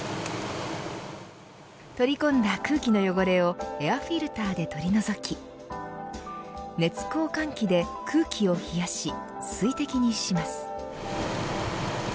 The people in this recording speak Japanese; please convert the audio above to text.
取り込んだ空気の汚れをエアフィルターで取り除き熱交換器で空気を冷やし水滴にします。